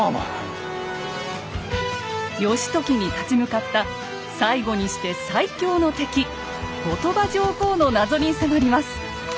義時に立ち向かった最後にして最強の敵後鳥羽上皇の謎に迫ります。